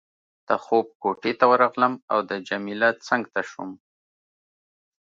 د خوب کوټې ته ورغلم او د جميله څنګ ته شوم.